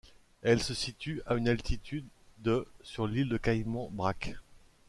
Elle se situe à une altitude de sur l'île de Cayman Brac.